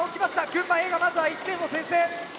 群馬Ａがまずは１点を先制。